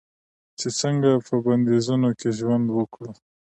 چې څنګه په بندیزونو کې ژوند وکړو.